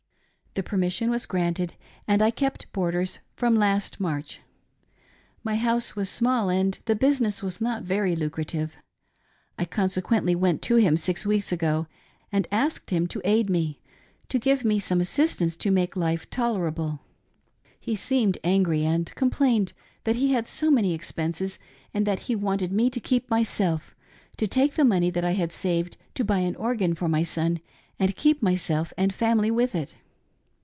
The permission was granted, and I kept boarders from last March. My house was small, and the business was not very lucrative. I consequently went to him, six weeks ago, and asked him to aid me — to give me some assistan "e to makp life tolerable. He sa.med angry, and complained that he had so m ' ny expenses and that he wanted me to keep myself — to take the money that I h<;d saved to buy an organ for my son and keep myself and family with it.